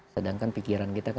sedangkan pikiran kita